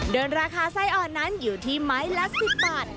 โดยราคาไส้อ่อนนั้นอยู่ที่ไม้ละ๑๐บาท